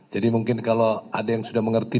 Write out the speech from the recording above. jadi mungkin kalau ada yang sudah mengerti